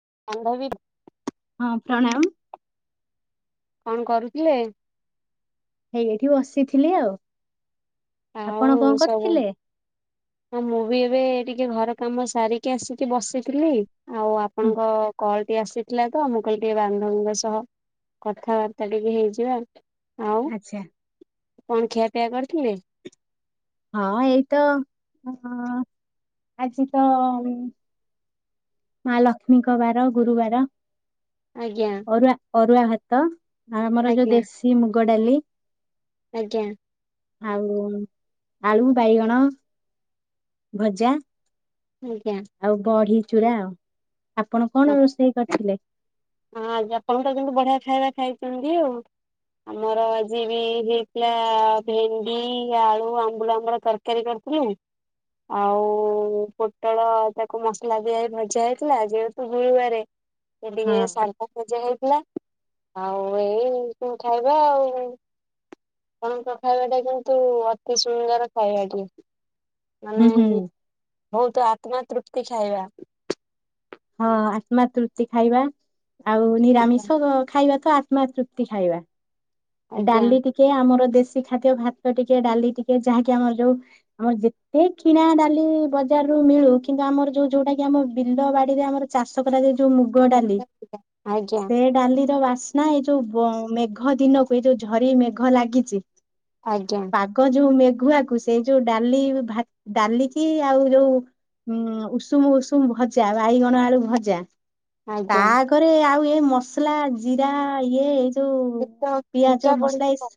[unintelligible] ହଁ ପ୍ରଣାମ୍। କଣ କରୁଥିଲେ? ହେଇ ଏଠି ବସିଥିଲି ଆଉ । ଆଉ ସବୁ ମୁଁ ବି ଏବେ ଟିକେ ଘର କାମ ସାରିକି ଆସିକି ବସିଥିଲି ଆଉ ଆପଣ ହୁଁ, ଙ୍କ କଲ୍ ଟିକେ ଆସିଥିଲା ତ ମୁଁ କହିଲି ଟିକେ ବାନ୍ଧବିଙ୍କ ସହ କଥାବାର୍ତ୍ତା ଟିକେ ହେଇଯିବା । ଆଛା । କଣ ଖିଆପିଆ କରିଥିଲେ? ହଁ ଏଇ ତ ଆଜି ତ ମା ଲକ୍ଷ୍ମୀଙ୍କ ବାର ଗୁରୁବାର। ଆଜ୍ଞା ଅରୁଆ-ଅରୁଆ ଭାତ ଆମର ଯୋଉ ଆଜ୍ଞା ଦେଶୀ ମୁଗ ଡାଲି ଆଜ୍ଞା। ଆଉ ଆଳୁ, ବାଇଗଣ ଭଜା। ଆଜ୍ଞା। ଆଉ ବଢି ଚୂୁରା, ଆ ଆପଣ କଣ ରୋଷେଇ କରିଥିଲେ? ହଁ ଆଜି ଆପଣ ତ କିନ୍ତୁ ବଢିଆ ଖାଇବା ଖାଇଛନ୍ତି ଆଉ। ଆମର ଆଜି ବି ହେଇଥିଲା ଭେଣ୍ଡି ଆଳୁ-ଆମ୍ବୁଲ ଆମର ତରକାରୀ କରିଥି [inaudible] ଆଉ ପୋଟଳ ତାକୁ ମସଲା ଦିଆ ହେଇକି ଭଜା ହେଇଥିଲା ଯେହେତୁ ଗୁରୁବାରେ ରେ। ହଁ [unintelligible] ଭଜା ହେଇଥିଲା ଆଉ ଏଇ ପୁଣି ଖାଇବା ଆଉ। ଆପଣଙ୍କ ଖାଇବା ଟା କିନ୍ତୁ ଅତି ସୁନ୍ଦର ଖାଇବା ଟିଏ। ହୁଁ ମାନେ ହୁଁ ବହୁତ ଆତ୍ମା ତୃପ୍ତି ଖାଇବା। ହଁ ଆତ୍ମା ତୃପ୍ତି ଖାଇବା ଆଉ ନିରାମିଷ ଖାଇବା ତ ଆତ୍ମା ତୃପ୍ତି ଖାଇବା ଆଜ୍ଞା ଡାଲି ଟିକେ ଆମର ଦେଶ ଦେଶୀ ଖାଦ୍ୟ ଭାତ ଟିକେ ଡାଲି ଟିକେ ଯାହାକି ଆମର ଯୋଉ ଆମର ଯେତେ କିଣା ଡାଲି ବଜାର ମିଳୁ କିନ୍ତୁ ଆମର ଯୋଉ ଯୋଉଟା କି ଆମ ବିଲ ବାଡିରେ ଆମର ଚାଷ କରାଯାଉ ଯୋଉ ମୁଗ ଡାଲି ଆଜ୍ଞା ଆଜ୍ଞା ସେ ଡାଲିର ବାସ୍ନା ଏଇ ଯୋଉ ବ-ମେଘ ଦିନ ଏଇ ଯୋଉ, ଝରି ମେଘ ଲାଗିଚି। ଆଜ୍ଞା। ପାଗ ଯୋଉ ମେ ଘୁଆକୁ ସେଇ ଯୋଉ ଡାଲି, ଡାଲିକି ଆଉ ଯୋଉ ହୁଁ, ଉଷୁମ ଉଷୁମ ଭଜା ବାଇଗଣ ଆଳୁ ଭଜା। ତା ଆଜ୍ଞା। ଆଗରେ ଆଉ ଏ ମସଲା ଜିରା ଇଏ ଏଇ ଯୋଉ [unintelligible] ପିଆଜ ମସଲା ପଡିଯିବ ଏସ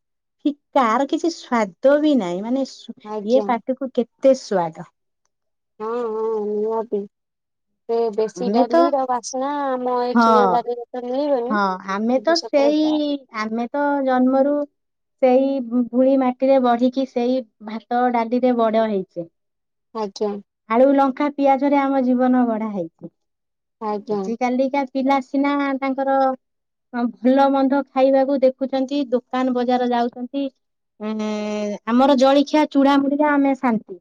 ଫିକା ଆର କିଛି ସ୍ଵାଦ ବି ନାହିଁ। ମାନେ ଏସ ଆଜ୍ଞା ଇଏ ପାଟି କୁ କେତେ ସୁଆଦ। ହଁ, ହଁ ନିହାତି। ସେ ଦେଶୀ ଆମେ ତ ଡାଲିର ବାସ୍ନା ଆମ ଏଇ ହଁ କିଣା ଡାଲିରେ ତ ମିଳିବନି। [unintelligible] କି ଆମେ ତ ଜନ୍ମରୁ ସେଇ ଧୂଳି ମାଟିରେ ବଢିକି ସେଇ ଭାତ ଡାଲିରେ ବଡ ହେଇଚେ। ଆଜ୍ଞା। ଖା ପିଆଜରେ ଆମ ଜୀବନ ଗଢା ହେଇଛି ଆଜ୍ଞା ।ଆଜି କାଲିକା ପିଲା ସିନା ତାଙ୍କର ଭଲ ମନ୍ଧ ଖାଇବାକୁ ଦେଖୁଛନ୍ତି, ଦୋକାନ ବଜାର ଯାଉଚନ୍ତି। ଅ, ନେ ଆମର ଜଳଖିଆ ଚୁଡ଼ା ମୁଢି ରେ ଆମେ ଶାନ୍ତି।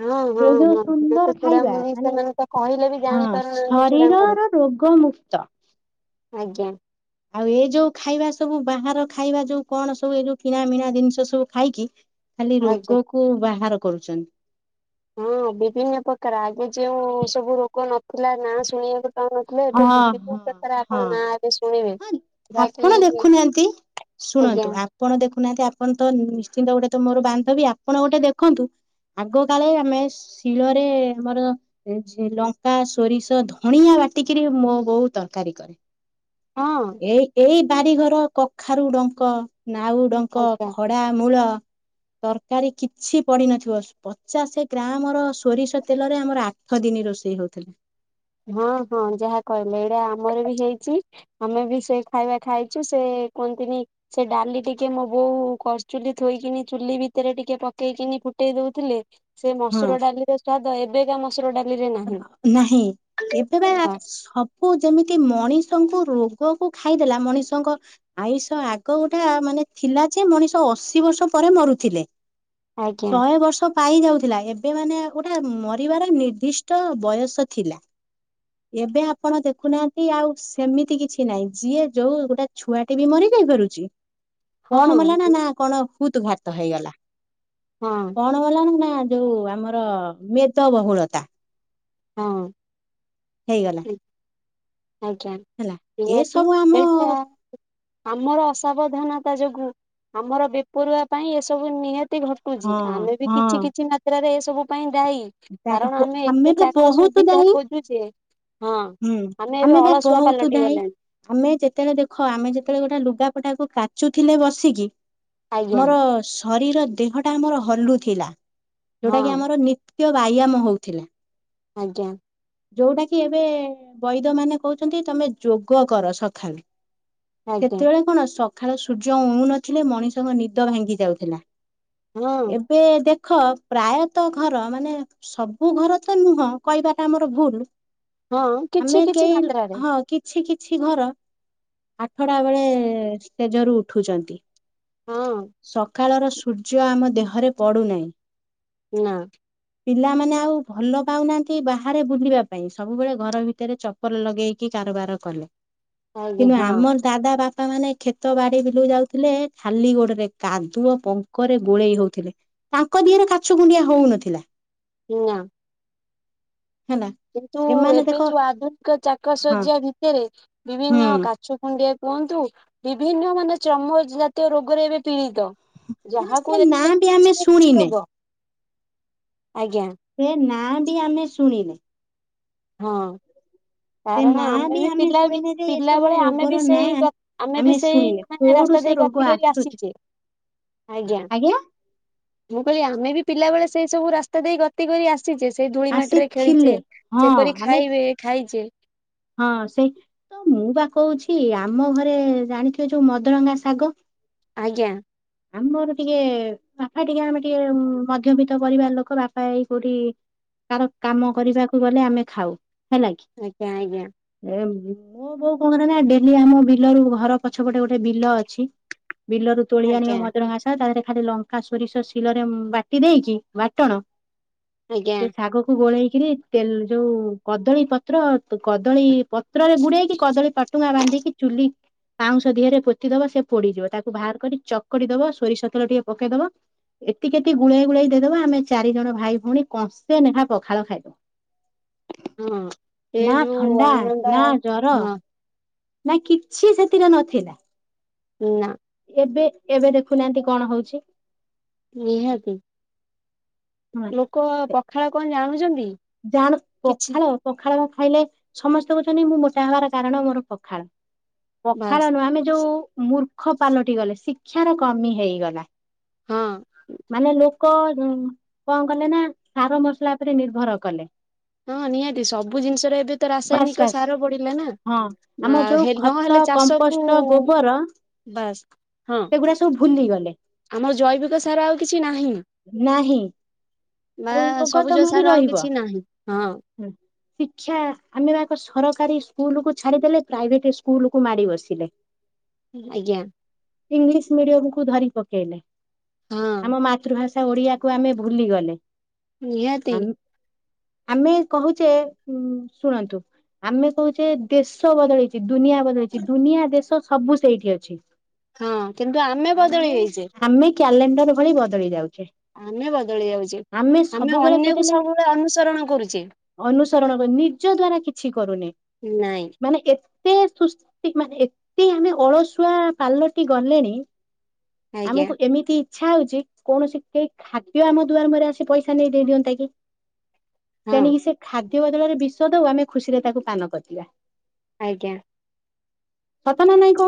ହଁ ସେ ହଁ ଯୋଉ ହଁ। ଏବେ ତ ସୁନ୍ଦର ଖାଇବା। ଚୂଡାମୁଢି ମାନେ ସେମାନେ ତ କହିଲେ ବି ହଁ, ଜାଣି ପାରୁନାହାନ୍ତି ଚୂଡାମୁଢି। ଶରୀରର ରୋଗ ମୁକ୍ତ ଆଜ୍ଞା। ଆଉ ଏଇ ଯୋଉ ଖାଇବା ସବୁ ବାହାର ଖାଇବା ଯୋଉ କଣ ସବୁ ଏ ଯୋଉ କିଣା ମିିଣା ଜିନିଷ ସବୁ ଖାଇକି। ଖାଲି ଆଜ୍ଞା ରୋଗ କୁ ବାହାର କରୁଚନ୍ତି। ହଁ ବିଭିନ୍ନ ପ୍ରକାର ଆଗେ ଯେଉଁ ସବୁ ରୋଗ ନଥିଲା। ନାଁ ଶୁଣିବାକୁ ପାଉ ନଥିଲେ, ଏବେ ହଁ ହଁ [unintelligible] ଥର ଆପଣ ହଁ। ନାଁ ଏବେ ଶୁଣିବେ ହଁ ଆପଣ ଯାହାକି ଦେଖୁନାହାନ୍ତି ଆଜ୍ଞା ଶୁଣନ୍ତୁ ଆପଣ ଦେଖୁନାହାନ୍ତି, ଆପଣ ତ ନିଶ୍ଚିନ୍ତ ଗୋଟେ ତ ମୋର ବାନ୍ଧବୀ। ଆପଣ ଗୋଟେ ଦେଖନ୍ତୁ ଆଗ କାଳେ ଆମେ ଶିଳରେ ଆମର ଏ ଝେ ଲଙ୍କା, ସୋରିଷ, ଧଣିଆ ବାଟ ଏତିକିରେ ମୋ ବୋଉ ତରକାରୀ କରେ। ହଁ ଏଇ ଏଇ ବାରି ଘର କଖାରୁଡଙ୍କ, ନାଉଡଙ୍କ, ଆଜ୍ଞା ଖଡା ମୂଳ। ତରକାରୀ କିଛି ପଡିିନଥିବ, ପଚାଶେ ଗ୍ରାମ ର ସୋରିଷ ତେଲରେ ଆମର ଆଠ ଦିନ ରୋଷ ଷେଇ ହଉଥିଲା। ହଁ, ହଁ ଯାହା କହିଲେ ଏଇଟା ଆମର ବି ହେଇଚି। ଆମେ ବି ସେ ଖାଇବା ଖାଇଚୁ। ସେ ଏ କୁହନ୍ତିନି ସେ ଡାଲି ଟିକେ ମୋ ବୋଉ କରଚୁଲି ଥୋଇକିନି। ଚୁଲି ଭିତରେ ଟିକେ ପକେଇକିନି ଫୁଟେଇ ଦଉଥିଲେ ସେ ହଁ ମସୁର ଡାଲିର ସ୍ଵାଦ ଏବେକା ମସୁର ଡାଲିରେ ନାହିଁ। ନାହିଁ ଏବେ ବା ସବୁ ଯେମିତି ମଣିଷଙ୍କୁ ରୋ ରୋଗକୁ ଖାଇଦେଲା ମଣିଷଙ୍କ ଆୟୁଷ ଆଗ ଗୋଟା ମାନେ ଥିଲା ଯେ ମଣିଷ ଅଶୀ ବର୍ ଷ ପରେ ମରୁଥିଲେ। ଆଜ୍ଞା ଶହେ ବର୍ଷ ପାଇ ଯାଉଥିଲା। ଏବେ ମାନେ ଗୋଟେ ମରିବାର ନିର୍ଦ୍ଦିଷ୍ ଟ ବୟସ ଥିଲା। ଏବେ ଆପଣ ଦେଖୁନାହାନ୍ତି ଆଉ ସେମିତି କିଛି ନାହିଁ। ଯିଏ ଯୋଉ ଗୋଟେ ଛୁଆଟି ବି ମରେ। ଇଏ କରୁଚି। କଣ ହଁ ମଲା ନା ନା କଣ ହୁତଘାତ ହେଇଗଲା। ହଁ କଣ ମଲା ନା ନା ନା ଯୋଉ ଆମର ମେଦବହୁଳତା ହଁ। ହେଇଗଲା। ଆଜ୍ଞା ହେଲା ନିହାତି ଏସବୁ ଆମ ଏଇଟା ଆମର ଅସାବଧାନ ତା ଯୋଗୁ। ଆମର ବେପରୁଆ ପାଇଁ ଏସବୁ ନିହା ତି ଘଟୁଚି ହଁ ଆମେ ବି ହଁ କିଛି କିଛି ମାତ୍ରାରେ ଏ ସବୁ ପାଇଁ ଦାଇ କାରଣ ଆମେ ଏତେ ବା ଚାକ ବହୁତ ସୁବିଧା ଦାୟୀ ଖୋଜୁଚେ। ହଁ। ହୁଁ ଏବେ ଆମେ ବା ଅଳସୁଆ ପହୁଥୁ ପାଲଟି ଦାଇ। ଗଲେଣି ଆମେ ଯେତେଳେ ଦେଖ ଆମେ ଯେତେଳେ ଗୋଟେ ଲୁଗା ପ ଟାକୁ କାଚୁଥିଲେ ବସିକି। ଆଜ୍ଞା ଆମର ସ ଶରୀର ଦେହଟା ଆମର ହଲୁ ଥିଲା, ଯୋଉଟା ହଁ କି ଆମର ନି ତ୍ୟ ବ୍ୟାୟାମ ହଉଥିଲା। ଆଜ୍ଞା। ଯୋଉଟା କି ଏବେ ବଇଦ ମାନେ କହୁଛନ୍ତି, ତମେ ଯୋଗ କର ସଖାଳୁ। ଆଜ୍ଞା ସେତେବେଳେ କଣ ସଖାଳ ସୂର୍ଯ୍ୟ ଉଉଁ ନଥିଲେ, ମଣିଷଙ୍କ ନିଦ ଭାଙ୍ଗି ଯାଉଥିଲା। ହଁ ଏବେ ଦେଖ ଖ, ପ୍ରାୟତଃ ଘର ମାନେ ସବୁ ଘର ତ ନୁହଁ, କହିବାଟା ଆମର ଭୁଲ। ହଁ କିଛି ଆମେ କିଛି କେହି, ମାତ୍ରାରେ ହଁ କିଛି କିଛି କିଛି ଘର, ଆଠଟାବେଳେ ଶେଯରୁ ଉଠୁଛନ୍ତି। ହଁ ସଖାଳର ସୂର୍ଯ୍ୟ ଆମ ଦେହରେ ପଡ଼ୁନାହିଁ। ନାଁ। ପିଲାମାନେ ଆଉ ଭଲ ପାଉନାହାଁନ୍ତି ବାହାରେ ବୁଲିବା ପାଇଁ। ସବୁବେଳେ ଘର ଭିତରେ ଚପଲ ଲଗେଇକି କାରବାର କଲେ। କିନ୍ତୁ ଆଜ୍ଞା ଆମର ଦାଦା ବାପା ବାପା ମାନେ କ୍ଷେତ, ବାଡି, ବିଲୁକୁ ଯାଉଥିଲେ, ଖାଲି ଗୋଡରେ, କାଦୁଅ ପଙ୍କରେ ଗୋଳେଇ ହଉଥିଲେ। ତାଙ୍କ ଦିହରେ କାଛୁ କୁଣ୍ଡିଆ ହଉ ନଥିଲା। ନା। ହେନା କିନ୍ତୁ ଏବେ ଯୋଉ ଆଧୁନିକ ଚାକ ହଁ ଶଯ୍ୟା ଭିତେରେ, ହୁଁ ବିଭିନ୍ନ କାଛୁ କୁଣ୍ଡିଆ କୁହନ୍ତୁ, ବିଭିନ୍ନ ମାନେ ଚମ ଜାତୀୟ ରୋଗରେ ଏବେ ପୀଡିତ। ମାନେ ସେ ଯାହାକୁ ବି ନାଁ ଦେଖିବ ଆମେ କିଛି କିଛି ଶୁଣିନେ ରୋଗ। ଆଜ୍ଞା। ହଁ ଟିକେ ଆମେ ଶୁଣିଲେ ହଁ। କାରଣ ନାଁ ଆମେ ବି ପିଲାବି ଶୁଣିନେ ଯେ ଏସବୁ ପିଲାବେଳେ, ଆମେ ବି ରୋଗର ନାଁ ସେଇ ଗ ଆମେ ବି ସେଇ ଶୁଣିନେ ମାନେ ରା କୋଉଠୁ ରାସ୍ତା ସେ ଦେଇ ଗତି ରୋଗ କରି ଆସୁଛି ଆସିଚେ। ଆଜ୍ଞା। ମୁଁ କହିଲି ଆମେ ବି ପିଲାବେଳେ ସେଇ ସବୁ ରାସ୍ତା ଦେଇ ଗତି କରି ଆସିଚେ, ସେଇ ଧୂଳି ମାଟିରେ ଖେଳିଛେ। ଆସିଥିଲେ ହଁ ସେପରି ଆମେ ଖାଇବେ, ଖାଇଚେ ହଁ। ସେଇ ତ ମୁଁ ବା କହୁଛି, ଆମ ଘରେ ଜାଣିଥିବେ ଯୋଉ ମଦରଙ୍ଗା ଶାଗ ଆଜ୍ଞା। ଆମର ଟିକେ ବାପା ଟିକେ ଆମେ ଟିକେ ମଧ୍ୟବିତ୍ତ ପରିବାର ଲୋକ, ବାପା ଏଇ କୋଉଠି କାର କାମ କରିବାକୁ ଗଲେ, ଆମେ ଖାଉ। ହେଲା କି ଆଜ୍ଞା ଆଜ୍ଞା। ମୋ ବୋଉ କଣ କରେ ନା, ଡେଲି ଆମ ବିଲରୁ ଘର ପଛପଟେ ଗୋଟେ ବିଲ ଅଛି ବିଲରୁ ତୋଳି ଆଣିବ ଆଜ୍ଞା ମଦରଙ୍ଗା ଶାଗ, ତା ଦେହରେ ଇଆଡେ ଲଙ୍କା, ସୋରିଷ ଶିଳରେ ବାଟି ଦେଇକି, ବାଟଣ ଆଜ୍ଞା। ସେ ଶାଗକୁ ଗୋଳେଇକିରି, ତେଲ ଯୋଉ କଦଳୀ ପତ୍ର ତ କଦଳୀ ପତ୍ରରେ ଗୁଡେଇକି, କଦଳୀ ପାଟୁଙ୍ଗା ବାନ୍ଧିକି, ଚୁଲି ପାଉଁଶ ଧିଏରେ ପୋତି ଦବ, ସେ ପୋଡିଯିବ। ତାକୁ ବାହାର କରି ଚକଡି ଦବ, ସୋରିଷ ତେଲ ଟିକେ ପକେଇଦବ ଏତିକି ଏତିକି ଗୁଳେଇ ଗୁଳେଇ ଦେଇଦବ, ଆମେ ଚାରି ଜଣ ଭାଇ ଭଉଣୀ କଂସେ ନେଖା ପଖାଳ ଖାଇଦଉ। ହଁ। ସେ ନା ଯୋଉ ଥଣ୍ଡା, ଆନନ୍ଦ ନା ଜ୍ଵର, ହଁ ନା କିଛି, ସେଥିରେ ନଥିଲା। ନା। ଏବେ ଏବେ ଦେଖୁନାହାଁନ୍ତି କଣ ହଉଛି? ନିହାତି। ହଁ ଲୋକ ଆ ପଖାଳ କଣ ଜାଣୁଛନ୍ତି? ଜାଣ କିଛି ପଖାଳ, ପଖାଳ ବା ଖାଇଲେ ସମସ୍ତେ କହୁଛନ୍ତି ମୁଁ ମୋଟା ହେବାର କାରଣ ମୋର ପଖାଳ। ବାସ୍ ପଖାଳ ନୁହଁ, ଆମେ ଯୋଉ ମୂର୍ଖ ପାଲଟି ଗଲେ, ଶିକ୍ଷାର କମି ହେଇଗଲା। ହଁ ମାନେ ଲୋ ଲୋକ କଣ କଲେ ନା, ସାର ମସଲା ଉପରେ ନିର୍ଭର କଲେ। ହଁ ନିହାତି ସବୁ ଜିନିଷରେ ଏବେ ତ ବାସ୍ ରାସାୟନିକ ବାସ୍ ସାର ପଡିଲା ନା। ହଁ। ହେ, ଆମ ଯୋଉ ନ ଖତ ହେଲେ ଚାଷକୁ କମ୍ପୋଷ୍ଟ ଗୋବର ବାସ୍ ସେଗୁଡା ସବୁ ଭୁଲିଗଲେ। ଆଉ ଜୈବିକ ସାର ଆଉ କିଛି ନାହିଁ ନାହିଁ। ବା ଆଉ ରୋଗ ସବୁଜ ତମରି ସାର ଆଉ ରହିବ, କିଛି ନାହିଁ ହଁ ହୁଁ। ଶିକ୍ଷା ଆମେ [unintelligible] ସରକାରୀ ସ୍କୁଲକୁୁ ଛାଡିଦେଲେ, ପ୍ରାଇଭେଟ ସ୍କୁଲକୁ ମାଡି ବସିଲେ। ଆଜ୍ଞା। ଇଂଲିଶ ମିଡିୟମକୁୁ ଧରି ପକେଇଲେ। ହଁ। ଭାଷା ଓଡିଆକୁ ଆମେ ଭୁଲି ଗଲେ। ନିହାତି। ଆମ ଆମେ କହୁଛେ ଉ ଶୁଣନ୍ତୁ ଆମେ କହୁଛେ ଦେଶ ବଦଳେଇଛି, ଦୁନିଆ ବଦଳେଇଛି, ଦୁନିଆ ଦେଶ ସବୁ ସେଇଠି ଅଛି ହଁ କିନ୍ତୁ ବଦଳି ଆମେ, ଯାଇଛେ ଆମେ କ୍ୟାଲେଣ୍ଡର ଭଳି ବଦଳି ଯାଉଛେ। ଆମେ ବଦଳି ଯାଉଛେ, ଆମେ ସବୁବେଳେ ଅନ୍ୟକୁ ଖୋଜିଲେ ସବୁବେଳେ ଅନୁସରଣ କରୁଛେ। ଅନୁସରଣ ନିଜ ଦ୍ଵାରା କିଛି କରୁନେ, ନାଇଁ ମାନେ ଏତେ ସୁସ୍ ତିକ ମାନେ ଏତେ ଆମେ ଅଳସୁଆ ପାଲଟି ଗଲେଣି। ଆଜ୍ଞା ଆମକୁ ଏମିତି ଇଚ୍ଛା ହଉଛି କୌଣସି କେହି ଖାଦ୍ୟ ଆମ ଦୁଆର ମୁହଁରେ ଆସି ପଇସା ଦେଇ ଦିଅନ୍ତା କି? ହଁ ସେଣିକି ସେ ଖାଦ୍ୟ ବଦଳରେ ବିଷ ଦଉ, ଆମେ ଖୁସିରେ ତାକୁ ପାନ କରିଯିବା। ଆଜ୍ଞା। ସତ ନା ନାଇକ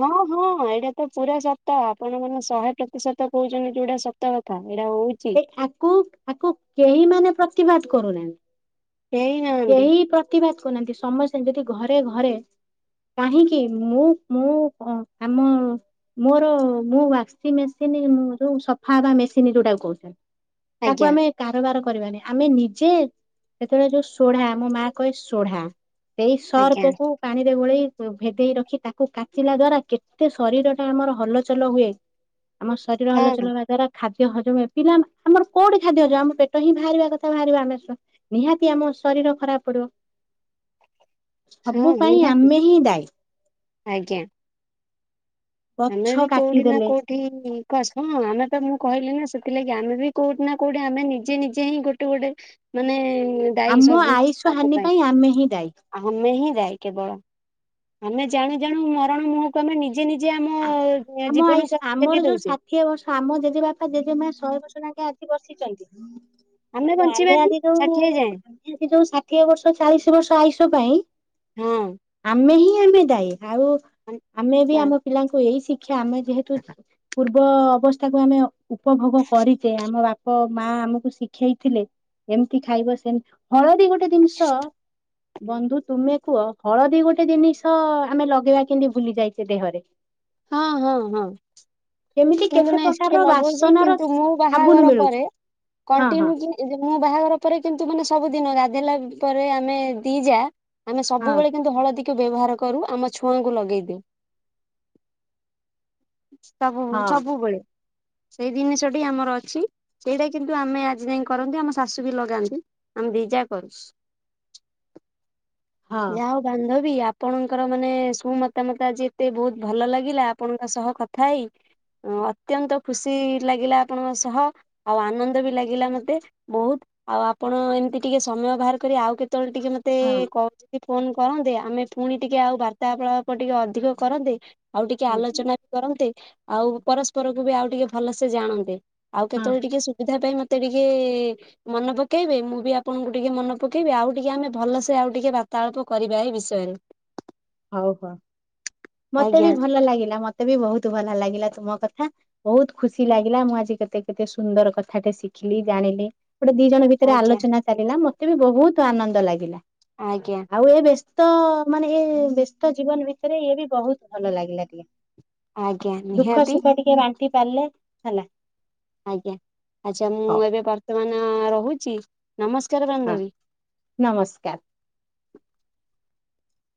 ହଁ, ହଁ, ଏଇଟା ତ ପୁରା ସ ତ ଆପଣ ମାନେ ଶହେ ପ୍ରତିଶତ କହୁଛନ୍ତି ଯୋଉଟା ସତ କଥା। ଏଇଟା ହଉଛି ଏଇ ଆକୁ ଆକୁ କେହି ମାନେ ପ୍ରତିବାଦ କରୁନାହାନ୍ତି। ହେଇନାହାନ୍ତି କେହି ପ୍ରତିବାଦ କରୁନାହାନ୍ତି, ସମସ୍ତେ ଯଦି ଘରେ ଘରେ କାହିଁକି- ମୁଁ ମୁଁ ଆମ ମୋର ମୁଁ ୱାସିଂ ମେସିନ ଯୋଉ ସଫା ବା ମେସିନ ଯୋଉଟା କହୁ ତାକୁ ଆଜ୍ଞା ଆମେ କାରବାର କରିବାନି, ଆମେ ନିଜେ ସେତେବେଳେ ଯୋଉ ସୋଢା, ମୋ ମା କହେ ସୋଢା, ସେଇ ଆଜ୍ଞା ସର୍ପକୁ ପାଣି ଗୋଳେଇ ଭେଦେଇ ରଖି ତାକୁ କାଚିଲା ଦ୍ଵାରା, କେତେ ଶରୀର ଟା ଆମର ହଲଚଲ ହୁଏ। ଆମ ଶରୀର ହଲଚଲ ହଁ ହେବା ଦ୍ୱାରା ଖାଦ୍ୟ ଖାଦ୍ୟ ହଜମ ଅଛିନା, ଆମର କୋଉଠି ଖାଦ୍ୟ ହଜମ ଆମ ପେଟ ହିଁ ବାହାରିବା କଥା, ବାହାରିବ, ଆମେ ନିହାତି ଆମ ଶରୀର ଖରାପ ପଡିବ, ହଁ ସବୁ ପାଇଁ ନିହାତି ଆମେ ହିଁ ଦାୟୀ। ଆଜ୍ଞା। ଗଛ ଆମେ ବି କୋଉଠି ନା କାଟିଦେଲେ କୋଉଠି ଙ୍କ ଆସମ ଆମେ ତ ମୁଁ କହିଲି ନା ସେ ଥିଲା କି, ଆମେ ବି କୋଉଠି ନା କୋଉଠି ଆମେ ନିଜେ ନିଜେ ହିଁ ଗୋଟେ ଗୋଟେ ମାନେ ଦାଇ ଆମ ସବୁ ଆୟୁଷ ତା ହାନି ପାଇଁ, ଆମେ ହିଁ ଦାୟୀ। ଆମେ ହିଁ ଥାଏ କେବଳ, ଆମେ ଜାଣୁ ଜାଣୁ ମରଣ ମୁହଁକୁ ଆମେ ନିଜେ ନିଜ ଆମ ଆଇସ ଆମର ଯୋଉ ଦଉଛେ ଷାଠିଏ ବର୍ଷ ଆମ ଜେଜେ ବାପା ଜେଜେ ମା ଶହେ ବର୍ଷ ନାକେ ଆଜି ବସିଛନ୍ତି କିନ୍ତୁ ଆମେ ବଞ୍ଚିବାନି ଆଜି ଯୋଉ ଷାଠିଏ ଯାଏଁ ଏଠି ଷାଠି ଷାଠିଏ ବର୍ଷ ଚାଳିଶ ବର୍ଷ ଆୟୁଷ ପାଇଁ ହଁ ଆମେ ହିଁ ଆମେ ଦାଏ। ଆଉ ଆମ ଆମେ ବି ନା ଆମ ପିଲାଙ୍କୁ ଏଇ ଶିକ୍ଷା ଆମେ ଯେହେତୁ ପୂର୍ବେ ତ ଅବସ୍ଥାକୁ ଆମେ ଉପଭୋଗ କରିଚେ ଆମ ବାପ ତାଙ୍କ ମା ଆମକୁ ଶିଖେଇଥିଲେ, ଏମତି ଖାଇବ ସେମତି, ହଳଦୀ ଗୋଟେ ଗୋଟେ ଜିନିଷ ବନ୍ଧୁ ତୁମେ କୁହ? ହଳଦୀ ଗୋଟେ ଜିନିଷ ଆମେ ଲଗେଇବା କେମତି ଭୁଲି ଯାଇଛେ ଦେହରେ। ହଁ ହଁ ହଁ। କେମିତି କିନ୍ତୁ କେତେ ନାଇଁ ପ୍ରକାରର ଷ୍ଟିକେମଜଉଛି ବାସନର କିନ୍ତୁ ମୁଁ ସାବୁନ ବାହାଘର ମିଳୁଛି ପରେ ହଁ ହଁ କଣ୍ଟିନିଉ ଯେ, ମୋ ବାହାଘର ପରେ କିନ୍ତୁ ମାନେ ସବୁ ଦିନ ଗାଧୋଇେଇଲା ପରେ ଆମେ ଦି ଯା ଆମେ ସବୁବେଳେ କିନ୍ତୁ ହଳଦୀ ବ୍ୟବହାର କରୁ ଆମ ଛୁଆଙ୍କୁ ଲଗେଇଦଉ। ସବୁ ହଁ ସବୁବେଳେ। ସେଇ ଜିନିଷଟି ଆମର ଅଛି ସେଇଟା କିନ୍ତୁ ଆମେ ଆଜି ଯାଏ କରନ୍ତି ଆମ ଶାଶୁ ବି ଲଗାନ୍ତି। ଆମେ ଦି ଯା କରୁ। ହଁ ଯା ହଉ ବାନ୍ଧବୀ ଆପଣଙ୍କର ମାନେ ସୁମତାମତ ଆଜି ଏତେ ବହୁତ ଭଲ ଲାଗେ ଲାଗିଲା ଆପଣଙ୍କ ସହ କଥା ହେଇ। ଅତ୍ୟନ୍ତ ଖୁସି ଲାଗିଲା ଆପଣଙ୍କ ସହ ଆଉ ଆନନ୍ଦ ବି ଲାଗିଲା ମତେ ବହୁତ୍। ଆଉ ଆପଣ ଏମିତି ଟିକେ ସମୟ ବାହାର କରି ଆଉ କେତେବେଳେ ଟିକେ ମତେ ହଁ କରୁଚିନ୍ତି। ଫୋନ କରନ୍ତେ ଆମେ ପୁଣି ଟିକେ ଆଉ ବାର୍ତ୍ତାଳାପ ଟିକେ ଅଧିକ କରନ୍ତେ। ଆଉ ଟିକେ ହଁ ହଁ ଆଲୋଚନା ବି କରନ୍ତେ ଆଉ ପରସ୍ପରକୁୁ ବି ଆଉ ଟିକେ ଭଲସେ ଜାଣନ୍ତେ। ଆଉ ହଁ କେତେବେଳେ ଟିକେ ସୁବଧା ସେ ପାଇଁ ମତେ ଟିକେ ମନ ପକେଇବେ ମୁଁ ବି ଆପଣଙ୍କୁ ଟିକେ ମନେ ପକେଇବି ଆଉ ଟିକେ ଆମେ ଭଲସେ ଆ ଟିକେ ବାର୍ତାଳାପ କରିବା ଏ ବିଷୟରେ। ହଉ ହଉ ମତେ ବି ଆଜ୍ଞା ଭଲ ଲାଗେ। ମତେ ବି ବହୁତ ଭଲ ଲାଗିଲା ତୁମ କଥା ବହୁତ ଖୁସି ଲାଗିଲା ମୁଁ ଆଜି କେତେ କେତେ ସୁନ୍ଦର କଥା ଟେ ଶିଖିଲି ଜାଣିଲି ଗୋଟେ ଦି ଜଣ ଭିତରେ ଆଜ୍ଞା ଆଲୋଚନା ଚାଲିଲା ମତେ ବି ବହୁତ ଆନନ୍ଦ ଲାଗିଲା। ଆଜ୍ଞା। ତ ମାନେ ଏ ବ୍ୟସ୍ତ ଜୀବନ ଭିତରେ ଇଏ ବି ବହୁତ ଭଲ ଲାଗିଲା ଟିକେ। ଆଜ୍ଞା ଦୁଃଖ ନିହାତି ସୁଖ ଟିକେ ବାଣ୍ଟି ପାରିଲେ ହେଲା। ଆଜ୍ଞା ଆଛା ମୁଁ ହଉ ଏବେ ବର୍ତ୍ତମାନ ରହୁଛି। ନମସ୍କାର ହଁ ବାନ୍ଧବୀ। ନମସ୍କାର।